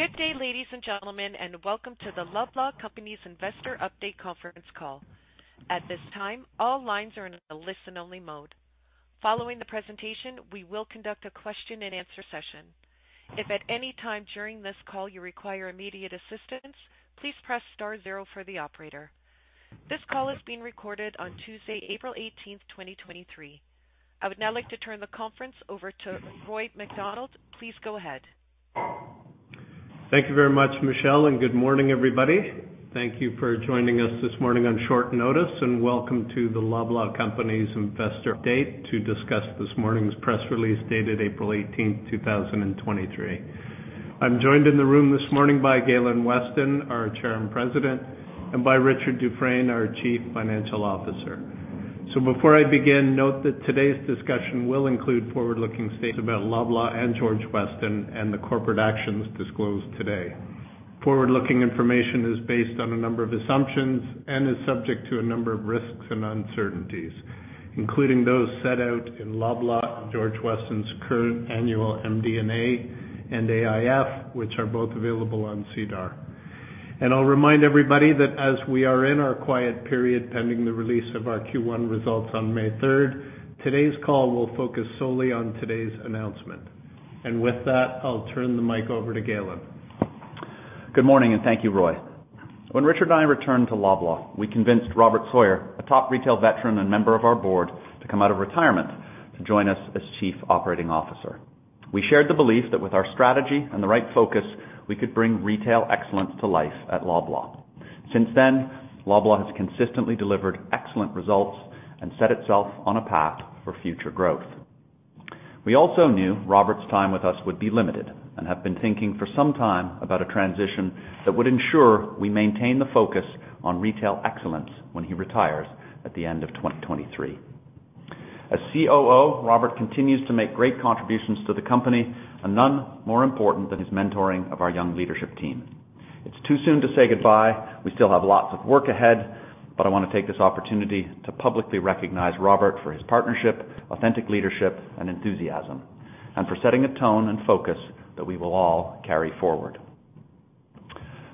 Good day, ladies and gentlemen, and welcome to the Loblaw Companies Investor Update conference call. At this time, all lines are in a listen-only mode. Following the presentation, we will conduct a question-and-answer session. If at any time during this call you require immediate assistance, please press star zero for the operator. This call is being recorded on Tuesday, April 18th, 2023. I would now like to turn the conference over to Roy MacDonald. Please go ahead. Thank you very much, Michelle. Good morning, everybody. Thank you for joining us this morning on short notice. Welcome to the Loblaw Companies investor update to discuss this morning's press release dated April 18th, 2023. I'm joined in the room this morning by Galen Weston, our Chairman President, and by Richard Dufresne, our Chief Financial Officer. Before I begin, note that today's discussion will include forward-looking statements about Loblaw and George Weston and the corporate actions disclosed today. Forward-looking information is based on a number of assumptions and is subject to a number of risks and uncertainties, including those set out in Loblaw and George Weston's current annual MD&A and AIF, which are both available on SEDAR. I'll remind everybody that as we are in our quiet period pending the release of our Q1 results on May third, today's call will focus solely on today's announcement. With that, I'll turn the mic over to Galen. Good morning, and thank you, Roy. When Richard and I returned to Loblaw, we convinced Robert Sawyer, a top retail veteran and member of our board, to come out of retirement to join us as Chief Operating Officer. We shared the belief that with our strategy and the right focus, we could bring retail excellence to life at Loblaw. Since then, Loblaw has consistently delivered excellent results and set itself on a path for future growth. We also knew Robert's time with us would be limited and have been thinking for some time about a transition that would ensure we maintain the focus on retail excellence when he retires at the end of 2023. As COO, Robert continues to make great contributions to the company and none more important than his mentoring of our young leadership team. It's too soon to say goodbye. We still have lots of work ahead, but I wanna take this opportunity to publicly recognize Robert for his partnership, authentic leadership and enthusiasm, and for setting a tone and focus that we will all carry forward.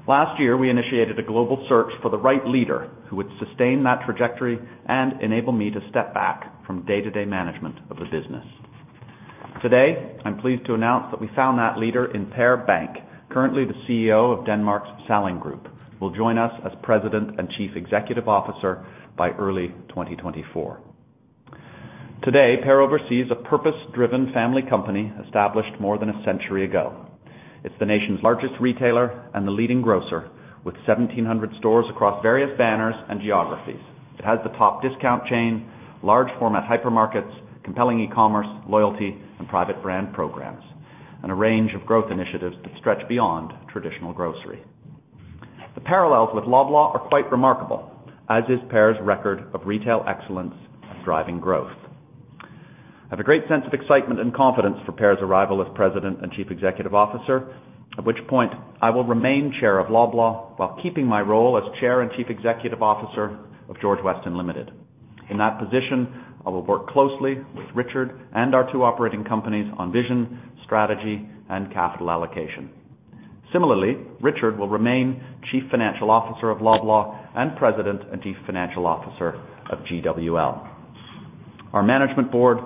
Last year, we initiated a global search for the right leader who would sustain that trajectory and enable me to step back from day-to-day management of the business. Today, I'm pleased to announce that we found that leader in Per Bank, currently the CEO of Denmark's Salling Group, will join us as president and chief executive officer by early 2024. Today, Per oversees a purpose-driven family company established more than a century ago. It's the nation's largest retailer and the leading grocer with 1,700 stores across various banners and geographies. It has the top discount chain, large format hypermarkets, compelling e-commerce, loyalty and private brand programs, and a range of growth initiatives that stretch beyond traditional grocery. The parallels with Loblaw are quite remarkable, as is Per's record of retail excellence driving growth. I have a great sense of excitement and confidence for Per's arrival as President and Chief Executive Officer. At which point I will remain Chair of Loblaw while keeping my role as Chair and Chief Executive Officer of George Weston Limited. In that position, I will work closely with Richard and our two operating companies on vision, strategy, and capital allocation. Similarly, Richard will remain Chief Financial Officer of Loblaw and President and Chief Financial Officer of GWL. Our management board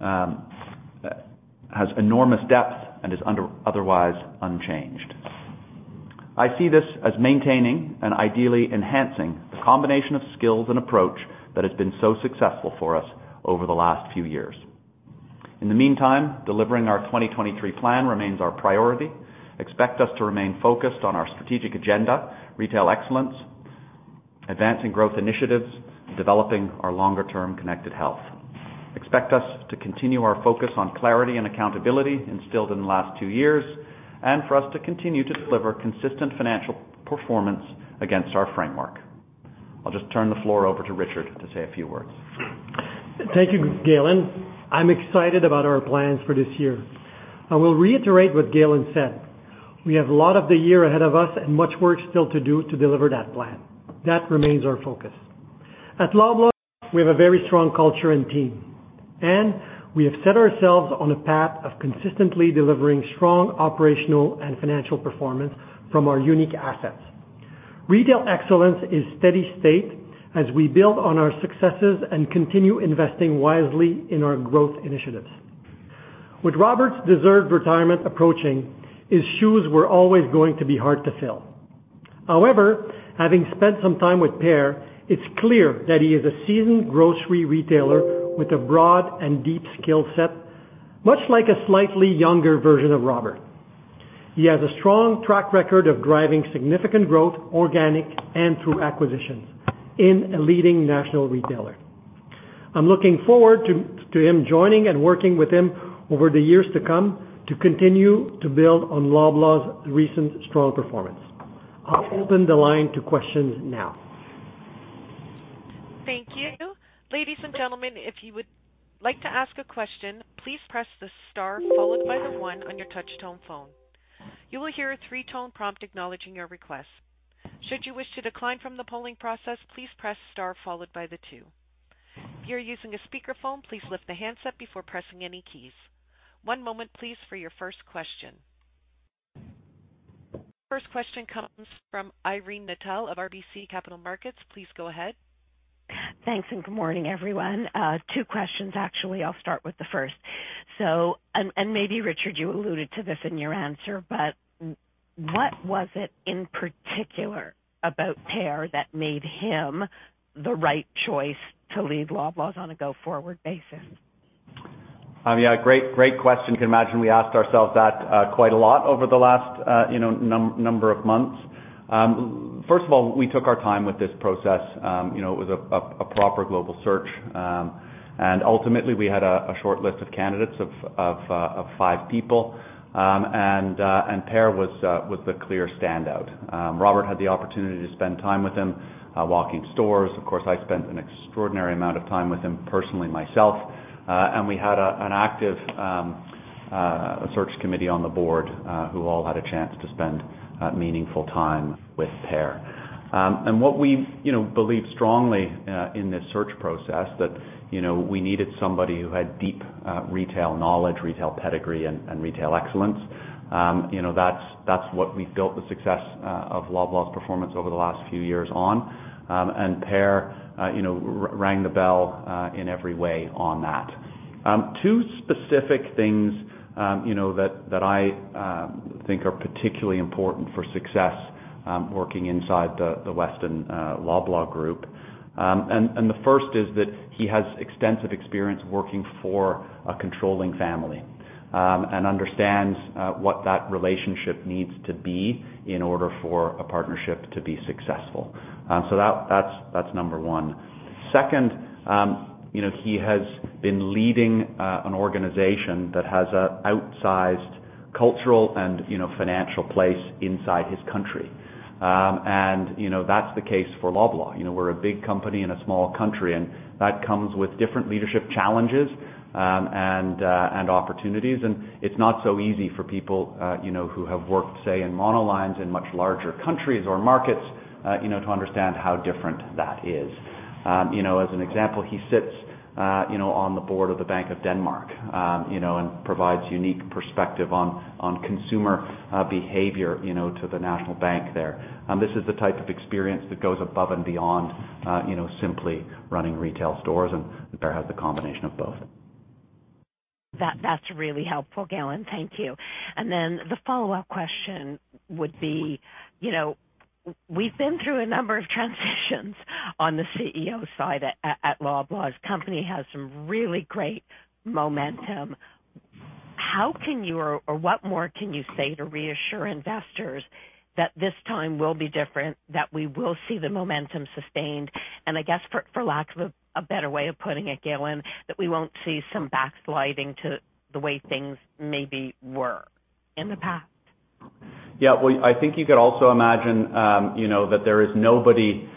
has enormous depth and is otherwise unchanged. I see this as maintaining and ideally enhancing the combination of skills and approach that has been so successful for us over the last few years. In the meantime, delivering our 2023 plan remains our priority. Expect us to remain focused on our strategic agenda, retail excellence, advancing growth initiatives, and developing our longer term connected health. Expect us to continue our focus on clarity and accountability instilled in the last two years and for us to continue to deliver consistent financial performance against our framework. I'll just turn the floor over to Richard to say a few words. Thank you, Galen. I'm excited about our plans for this year. I will reiterate what Galen said. We have a lot of the year ahead of us and much work still to do to deliver that plan. That remains our focus. At Loblaw, we have a very strong culture and team, and we have set ourselves on a path of consistently delivering strong operational and financial performance from our unique assets. Retail excellence is steady state as we build on our successes and continue investing wisely in our growth initiatives. With Robert's deserved retirement approaching, his shoes were always going to be hard to fill. However, having spent some time with Per, it's clear that he is a seasoned grocery retailer with a broad and deep skill set, much like a slightly younger version of Robert. He has a strong track record of driving significant growth, organic and through acquisitions in a leading national retailer. I'm looking forward to him joining and working with him over the years to come to continue to build on Loblaw's recent strong performance. I'll open the line to questions now. Thank you. Ladies and gentlemen, if you would like to ask a question, please press the star followed by the one on your touch tone phone. You will hear a three-tone prompt acknowledging your request. Should you wish to decline from the polling process, please press star followed by the two. If you're using a speakerphone, please lift the handset before pressing any keys. One moment, please, for your first question. First question comes from Irene Nattel of RBC Capital Markets. Please go ahead. Thanks, good morning, everyone. Two questions actually. I'll start with the first. Maybe, Richard, you alluded to this in your answer, but what was it in particular about Per that made him the right choice to lead Loblaw on a go-forward basis? Yeah, great question. You can imagine we asked ourselves that, quite a lot over the last, you know, number of months. First of all, we took our time with this process. You know, it was a proper global search. Ultimately, we had a short list of candidates of five people. Per was the clear standout. Robert had the opportunity to spend time with him, walking stores. Of course, I spent an extraordinary amount of time with him personally, myself, and we had an active search committee on the Board, who all had a chance to spend meaningful time with Per. What we, you know, believed strongly, in this search process that, you know, we needed somebody who had deep retail knowledge, retail pedigree and retail excellence. You know, that's what we've built the success of Loblaw's performance over the last few years on. Per, you know, rang the bell in every way on that. two specific things, you know, that I think are particularly important for success, working inside the Weston, Loblaw group. The first is that he has extensive experience working for a controlling family, and understands what that relationship needs to be in order for a partnership to be successful. So that's number one. Second, you know, he has been leading an organization that has a outsized cultural and, you know, financial place inside his country. You know, that's the case for Loblaw. You know, we're a big company in a small country, and that comes with different leadership challenges and opportunities. It's not so easy for people, you know, who have worked, say, in monolines in much larger countries or markets, you know, to understand how different that is. You know, as an example, he sits, you know, on the board of the Bank of Denmark, you know, and provides unique perspective on consumer behavior, you know, to the national bank there. This is the type of experience that goes above and beyond, you know, simply running retail stores, and Per has the combination of both. That's really helpful, Galen. Thank you. The follow-up question would be, you know, we've been through a number of transitions on the CEO side at Loblaw. Company has some really great momentum. How can you or what more can you say to reassure investors that this time will be different, that we will see the momentum sustained, and I guess for lack of a better way of putting it, Galen, that we won't see some backsliding to the way things maybe were in the past? Yeah. Well, I think you could also imagine, you know, that there is nobody,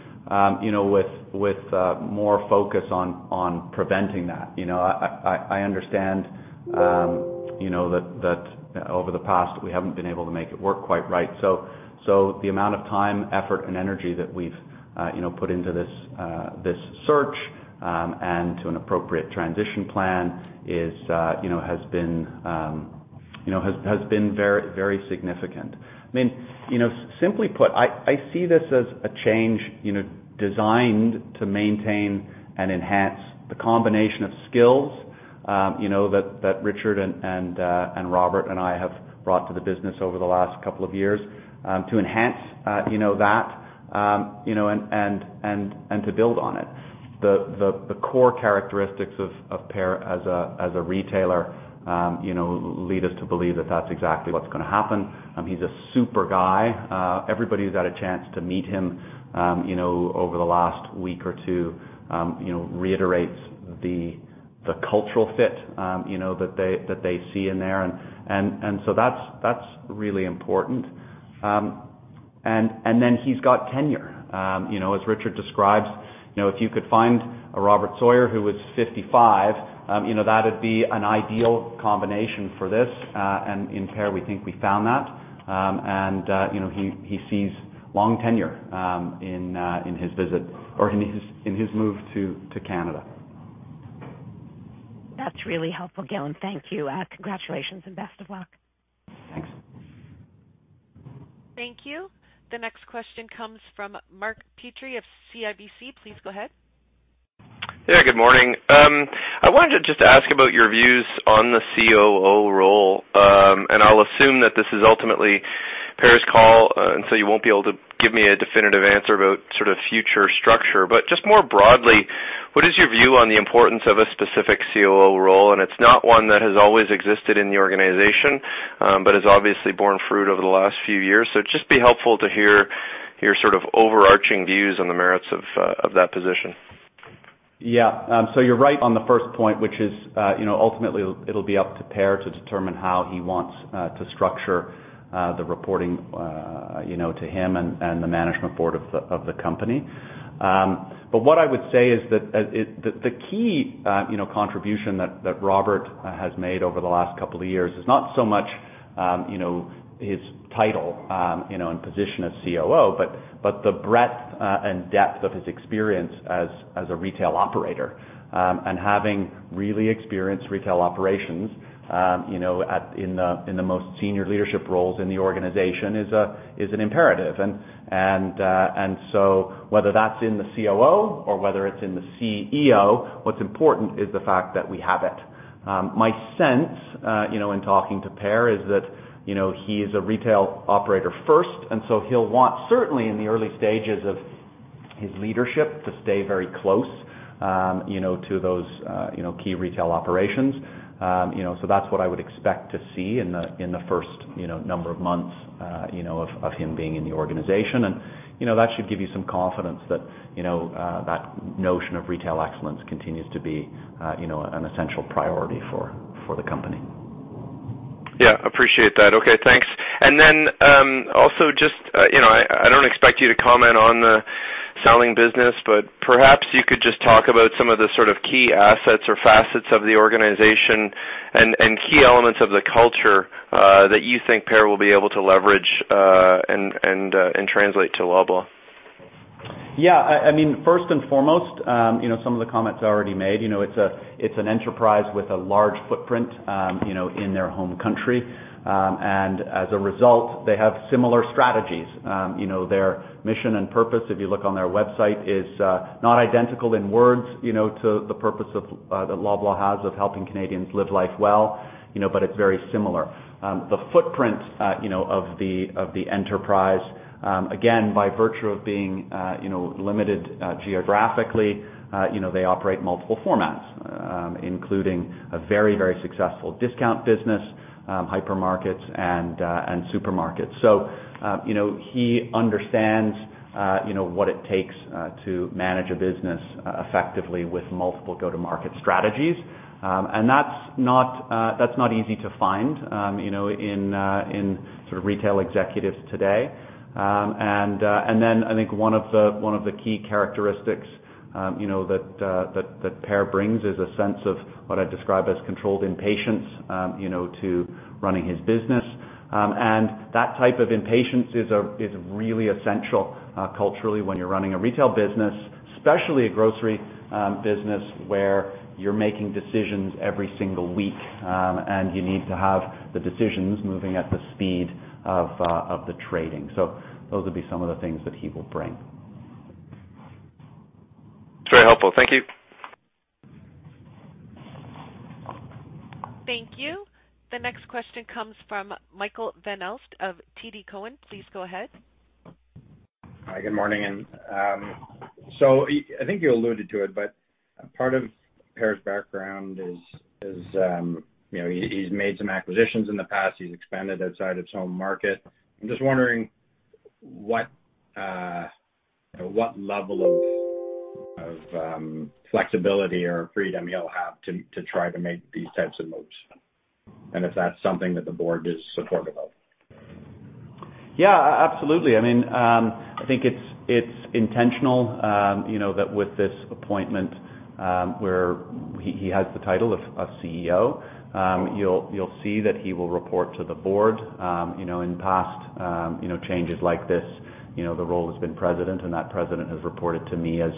you know, with more focus on preventing that. You know, I understand, you know, that over the past, we haven't been able to make it work quite right. The amount of time, effort and energy that we've, you know, put into this search and to an appropriate transition plan is, you know, has been, you know, has been very significant. I mean, you know, simply put, I see this as a change, you know, designed to maintain and enhance the combination of skills, you know, that Richard Dufresne and Robert Sawyer and I have brought to the business over the last couple of years, to enhance, you know, that, you know, and to build on it. The core characteristics of Per Bank as a retailer, you know, lead us to believe that that's exactly what's gonna happen. He's a super guy. Everybody who's had a chance to meet him, you know, over the last week or two, you know, reiterates the cultural fit, you know, that they see in there. That's really important. Then he's got tenure. You know, as Richard describes, you know, if you could find a Robert Sawyer who was 55, you know, that'd be an ideal combination for this. In Per, we think we found that. You know, he sees long tenure in his visit or in his move to Canada. That's really helpful, Galen. Thank you. Congratulations and best of luck. Thanks. Thank you. The next question comes from Mark Petrie of CIBC. Please go ahead. Yeah, good morning. I wanted to just ask about your views on the COO role. I'll assume that this is ultimately Per's call, and so you won't be able to give me a definitive answer about sort of future structure. Just more broadly, what is your view on the importance of a specific COO role, and it's not one that has always existed in the organization, but has obviously borne fruit over the last few years. It'd just be helpful to hear your sort of overarching views on the merits of that position. You're right on the first point, which is, you know, ultimately it'll be up to Per to determine how he wants to structure the reporting, you know, to him and the management board of the company. What I would say is that the key, you know, contribution that Robert has made over the last couple of years is not so much, you know, his title, you know, and position as COO, but the breadth and depth of his experience as a retail operator. Having really experienced retail operations, you know, at, in the most senior leadership roles in the organization is an imperative. Whether that's in the COO or whether it's in the CEO, what's important is the fact that we have it. My sense, in talking to Per, is that he is a retail operator first, and so he'll want, certainly in the early stages of his leadership, to stay very close to those key retail operations. So that's what I would expect to see in the first number of months of him being in the organization. And that should give you some confidence that that notion of retail excellence continues to be an essential priority for the company. Yeah, appreciate that. Okay, thanks. Also just, you know, I don't expect you to comment on the Salling business, but perhaps you could just talk about some of the sort of key assets or facets of the organization and key elements of the culture, that you think Per will be able to leverage, and translate to Loblaw. Yeah. I mean, first and foremost, you know, some of the comments I already made. You know, it's a, it's an enterprise with a large footprint, you know, in their home country. As a result, they have similar strategies. You know, their mission and purpose, if you look on their website, is not identical in words, you know, to the purpose of that Loblaw has of helping Canadians live life well, you know, but it's very similar. The footprint, you know, of the, of the enterprise, again, by virtue of being, you know, limited, geographically, you know, they operate multiple formats, including a very, very successful discount business, hypermarkets and supermarkets. You know, he understands, you know, what it takes to manage a business effectively with multiple go-to-market strategies. That's not easy to find, you know, in sort of retail executives today. I think one of the, one of the key characteristics, you know, that Per Bank brings is a sense of what I describe as controlled impatience, you know, to running his business. That type of impatience is really essential, culturally, when you're running a retail business, especially a grocery business, where you're making decisions every single week, and you need to have the decisions moving at the speed of the trading. Those would be some of the things that he will bring. It's very helpful. Thank you. Thank you. The next question comes from Michael Van Aelst of TD Cowen. Please go ahead. Hi, good morning. I think you alluded to it, but part of Per's background is, you know, he's made some acquisitions in the past. He's expanded outside its home market. I'm just wondering what level of flexibility or freedom he'll have to try to make these types of moves, and if that's something that the board is supportive of. Yeah, absolutely. I mean, you know, I think it's intentional, you know, that with this appointment, where he has the title of CEO, you'll see that he will report to the board. You know, in the past, you know, changes like this, you know, the role has been president, and that president has reported to me as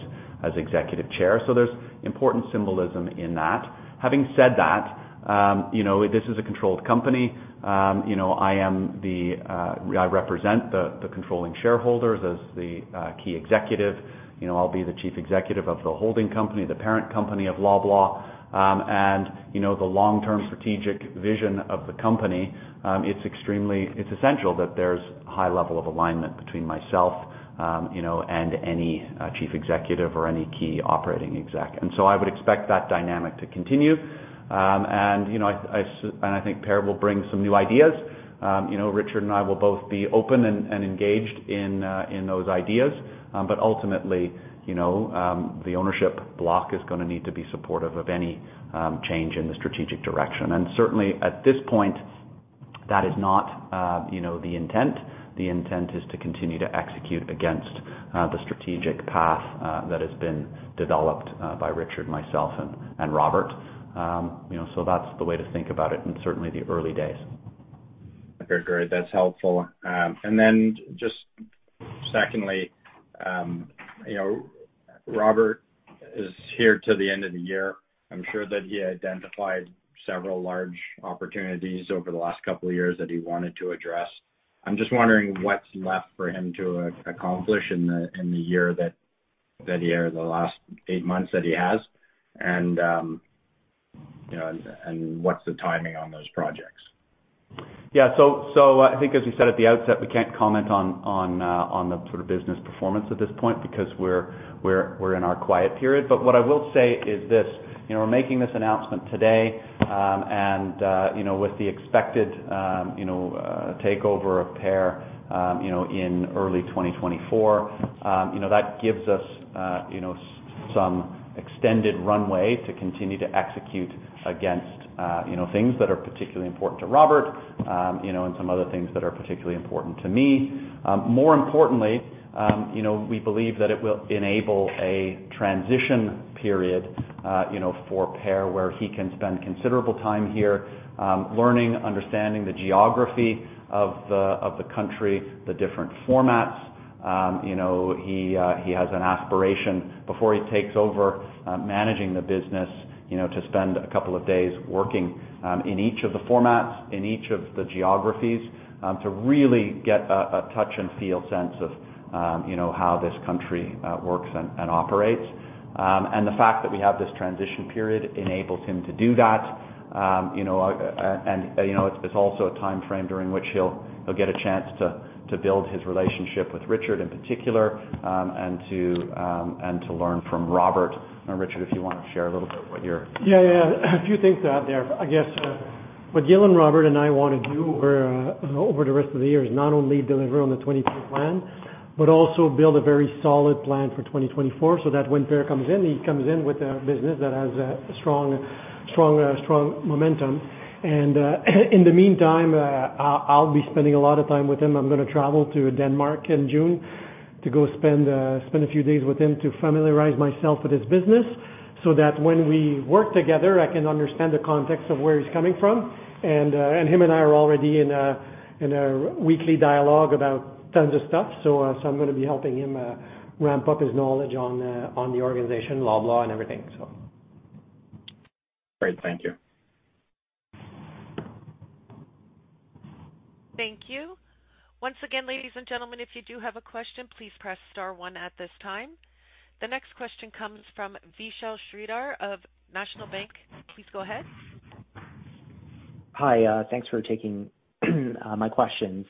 executive chair. There's important symbolism in that. Having said that, you know, this is a controlled company. You know, I represent the controlling shareholders as the key executive. You know, I'll be the chief executive of the holding company, the parent company of Loblaw. You know, the long-term strategic vision of the company, it's essential that there's a high level of alignment between myself, you know, and any chief executive or any key operating exec. I would expect that dynamic to continue. You know, I think Per will bring some new ideas. You know, Richard and I will both be open and engaged in those ideas. Ultimately, you know, the ownership block is gonna need to be supportive of any change in the strategic direction. Certainly at this point, that is not, you know, the intent. The intent is to continue to execute against the strategic path that has been developed by Richard, myself and Robert. You know, that's the way to think about it in certainly the early days. Okay, great. That's helpful. Then just secondly, you know, Robert is here till the end of the year. I'm sure that he identified several large opportunities over the last couple of years that he wanted to address. I'm just wondering what's left for him to accomplish in the year that year, the last eight months that he has and, you know, and what's the timing on those projects? I think as you said at the outset, we can't comment on the sort of business performance at this point because we're in our quiet period. What I will say is this: We're making this announcement today, and with the expected takeover of Per in early 2024, that gives us some extended runway to continue to execute against things that are particularly important to Robert, and some other things that are particularly important to me. More importantly, we believe that it will enable a transition period for Per, where he can spend considerable time here, learning, understanding the geography of the country, the different formats. You know, he has an aspiration before he takes over, managing the business, you know, to spend a couple of days working in each of the formats, in each of the geographies, to really get a touch and feel sense of, you know, how this country works and operates. The fact that we have this transition period enables him to do that. You know, and, you know, it's also a time frame during which he'll get a chance to build his relationship with Richard, in particular, and to, and to learn from Robert. Richard, if you wanna share a little bit what you're... Yeah, yeah. A few things out there. I guess, what Galen and Robert and I wanna do over the rest of the year is not only deliver on the 2022 plan, but also build a very solid plan for 2024, so that when Per comes in, he comes in with a business that has strong momentum. In the meantime, I'll be spending a lot of time with him. I'm gonna travel to Denmark in June to go spend a few days with him to familiarize myself with his business so that when we work together, I can understand the context of where he's coming from. Him and I are already in a weekly dialogue about tons of stuff. I'm gonna be helping him, ramp up his knowledge on the organization, Loblaw and everything, so. Great. Thank you. Thank you. Once again, ladies and gentlemen, if you do have a question, please press star one at this time. The next question comes from Vishal Shreedhar of National Bank. Please go ahead. Hi. Thanks for taking my questions.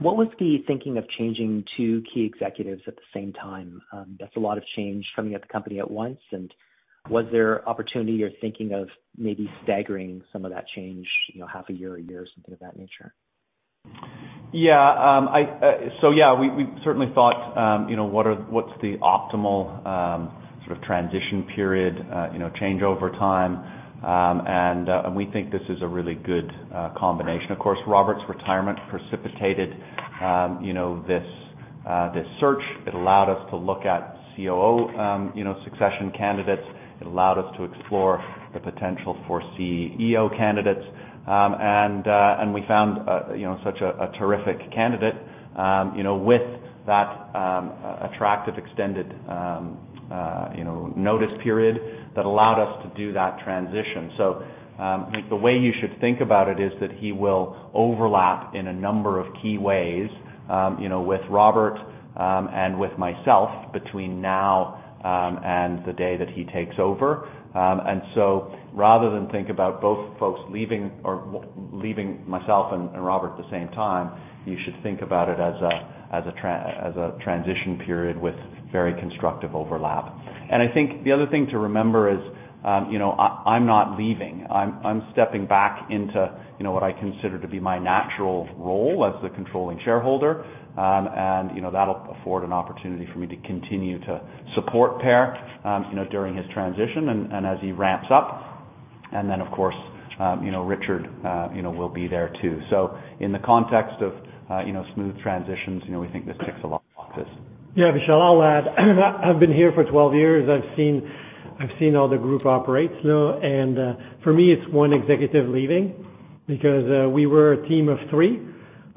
What was the thinking of changing two key executives at the same time? That's a lot of change coming at the company at once. Was there opportunity you're thinking of maybe staggering some of that change, you know, half a year or a year, something of that nature? uh, so yeah, we certainly thought, you know, what are, what's the optimal, sort of transition period, you know, change over time. And we think this is a really good combination. Of course, Robert's retirement precipitated, you know, this search. It allowed us to look at COO, you know, succession candidates. It allowed us to explore the potential for CEO candidates. And we found, you know, such a terrific candidate, you know, with that attractive extended, you know, notice period that allowed us to do that transition. I think the way you should think about it is that he will overlap in a number of key ways, you know, with Robert, and with myself between now, and the day that he takes over. Rather than think about both folks leaving or leaving myself and Robert at the same time, you should think about it as a transition period with very constructive overlap. I think the other thing to remember is, you know, I'm not leaving. I'm stepping back into, you know, what I consider to be my natural role as the controlling shareholder. And, you know, that'll afford an opportunity for me to continue to support Per, you know, during his transition and as he ramps up. Of course, you know, Richard, you know, will be there too. In the context of, you know, smooth transitions, you know, we think this ticks a lot of boxes. Yeah, Vishal, I'll add. I've been here for 12 years. I've seen how the group operates now. For me, it's one executive leaving because we were a team of three.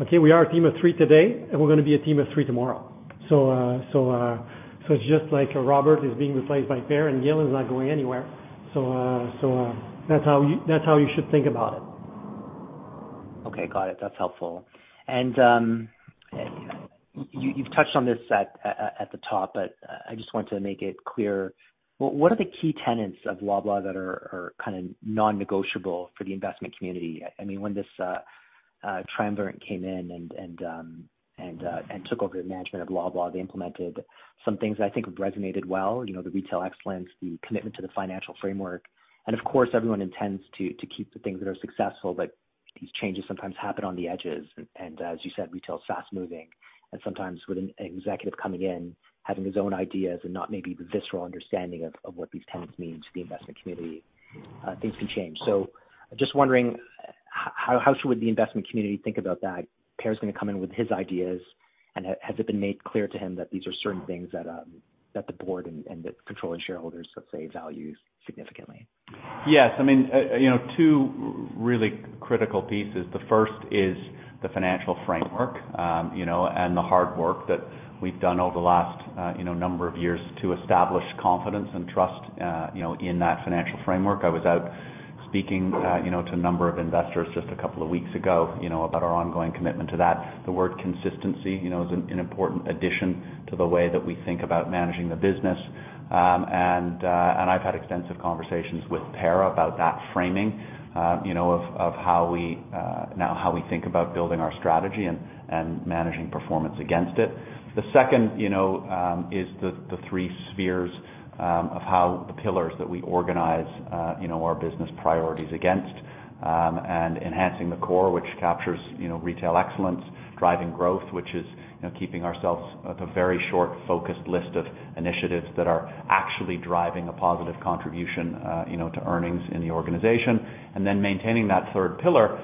Okay? We are a team of three today, and we're gonna be a team of three tomorrow. It's just like Robert is being replaced by Per, and Gil is not going anywhere. That's how you should think about it. Okay. Got it. That's helpful. You've touched on this at the top, but I just want to make it clear, what are the key tenets of Loblaw that are kinda non-negotiable for the investment community? I mean, when this triumvirate came in and took over the management of Loblaw, they implemented some things that I think resonated well, you know, the retail excellence, the commitment to the financial framework, and of course, everyone intends to keep the things that are successful. These changes sometimes happen on the edges. As you said, retail is fast-moving. Sometimes with an executive coming in, having his own ideas and not maybe the visceral understanding of what these tenets mean to the investment community, things can change. Just wondering, how should the investment community think about that? Per is going to come in with his ideas, and has it been made clear to him that these are certain things that the board and the controlling shareholders, let's say, values significantly? Yes. I mean, you know, two really critical pieces. The first is the financial framework, you know, and the hard work that we've done over the last, you know, number of years to establish confidence and trust, you know, in that financial framework. I was out speaking, you know, to a number of investors just a couple of weeks ago, you know, about our ongoing commitment to that. The word consistency, you know, is an important addition to the way that we think about managing the business. I've had extensive conversations with Per about that framing, you know, of how we think about building our strategy and managing performance against it. The second, you know, is the three spheres of how the pillars that we organize, you know, our business priorities against. Enhancing the core which captures, you know, retail excellence, driving growth, which is, you know, keeping ourselves at the very short focused list of initiatives that are actually driving a positive contribution, you know, to earnings in the organization. Then maintaining that third pillar,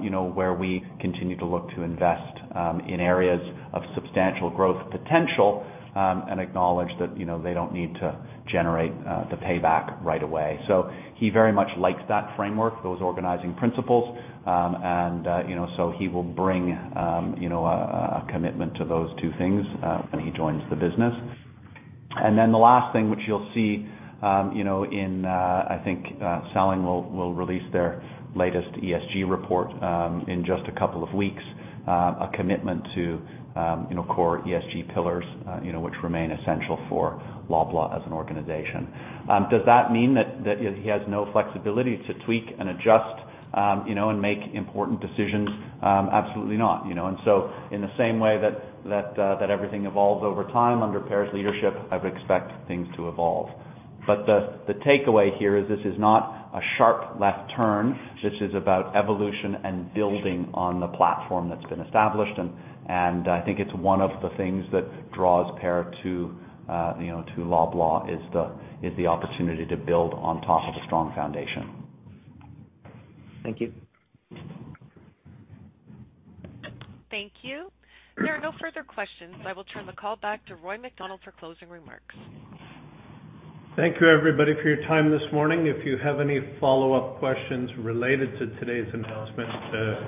you know, where we continue to look to invest in areas of substantial growth potential, and acknowledge that, you know, they don't need to generate the payback right away. He very much likes that framework, those organizing principles. He will bring, you know, a commitment to those two things when he joins the business. The last thing, which you'll see, you know, in, I think, Salling will release their latest ESG report in just a couple of weeks. A commitment to, you know, core ESG pillars, you know, which remain essential for Loblaw as an organization. Does that mean that he has no flexibility to tweak and adjust, you know, and make important decisions? Absolutely not. You know, in the same way that everything evolves over time under Per's leadership, I would expect things to evolve. The takeaway here is this is not a sharp left turn. This is about evolution and building on the platform that's been established. I think it's one of the things that draws Per to, you know, to Loblaw, is the, is the opportunity to build on top of a strong foundation. Thank you. Thank you. There are no further questions. I will turn the call back to Roy MacDonald for closing remarks. Thank you, everybody for your time this morning. If you have any follow-up questions related to today's announcement,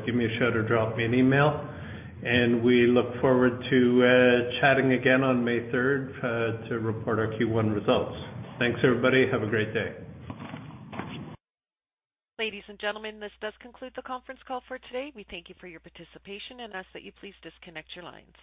give me a shout or drop me an email. We look forward to chatting again on May 3rd to report our Q1 results. Thanks, everybody. Have a great day. Ladies and gentlemen, this does conclude the conference call for today. We thank you for your participation and ask that you please disconnect your lines.